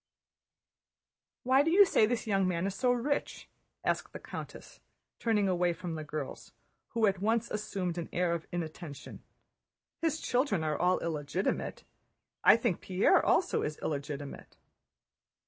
"Why do you say this young man is so rich?" asked the countess, turning away from the girls, who at once assumed an air of inattention. "His children are all illegitimate. I think Pierre also is illegitimate."